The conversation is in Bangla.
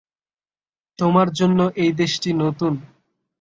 তোমার জন্য এই দেশটি নতুন।